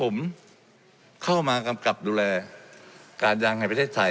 และมีผลกระทบไปทุกสาขาอาชีพชาติ